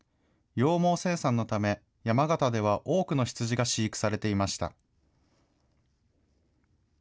羊毛生産のため、山形では多くの羊が飼育されていました。